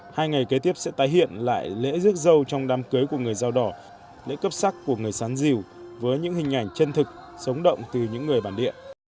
hai ngày kế tiếp sẽ tái hiện lại lễ rước dâu trong đám cưới của người dao đỏ lễ cấp sắc của người sán diều với những hình ảnh chân thực sống động từ những người bản địa